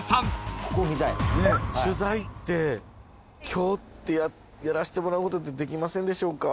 取材って今日ってやらしてもらうことってできませんでしょうか。